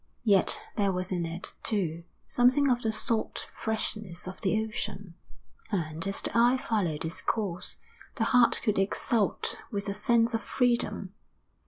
Yet there was in it, too, something of the salt freshness of the ocean, and, as the eye followed its course, the heart could exult with a sense of freedom.